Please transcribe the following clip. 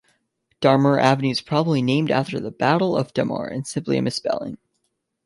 Darmour Avenue is probably named after the Battle of Damour and simply a misspelling.